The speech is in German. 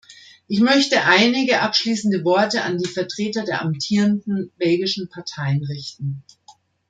Ich möchte einige abschließende Worte an die Vertreter der amtierenden belgischen Parteien richten.